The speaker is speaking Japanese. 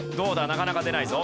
なかなか出ないぞ。